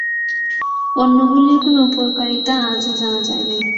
অন্যগুলির কোনো উপকারিতা আজও জানা যায় নি।